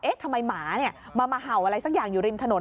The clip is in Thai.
ทำไมหมามาเห่าอะไรสักอย่างอยู่ริมถนน